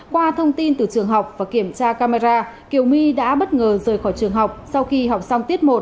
qua thông tin từ trường học và kiểm tra camera kiều my đã bất ngờ rời khỏi trường học sau khi học xong tiết một